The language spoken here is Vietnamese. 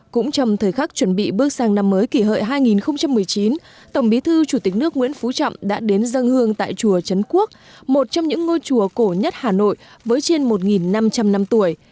cũng trong thời khắc chuẩn bị bước sang năm mới kỷ hợi hai nghìn một mươi chín tổng bí thư chủ tịch nước nguyễn phú trọng đã đến dân hương tại chùa trấn quốc một trong những ngôi chùa cổ nhất hà nội với trên một năm trăm linh năm tuổi